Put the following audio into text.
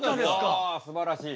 うわすばらしい。